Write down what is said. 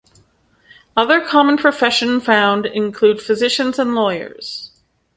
Other common profession found include physicians and lawyers.